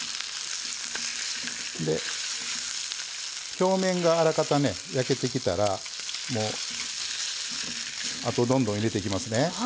表面があらかた焼けてきたらもうあとどんどん入れていきますね。